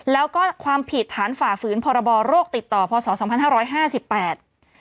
แล้วก็ความผิดฐานฝ่าฝืนพรบโรคติดต่อพศสองพันห้าร้อยห้าสิบแปด